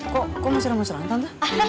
kok kok mesra mesraan tante